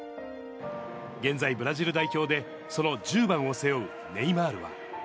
現在、ブラジル代表で、その１０番を背負うネイマールは。